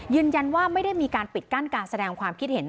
ยืนยันว่าไม่ได้มีการปิดกั้นการแสดงความคิดเห็น